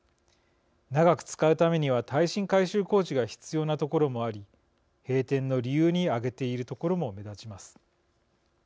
長く使うためには耐震改修工事が必要な所もあり閉店の理由に挙げている所も目立ちます。